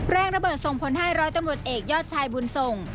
แรงระเบิดส่งผลให้ร้อยตำรวจเอกยอดชายบุญส่ง